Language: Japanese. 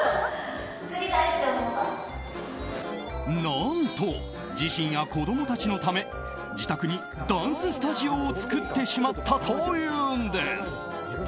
何と自身や子供たちのため自宅にダンススタジオを作ってしまったというんです。